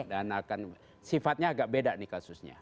dan akan sifatnya agak beda nih kasusnya